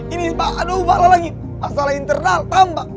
ini aduh malah lagi masalah internal tambah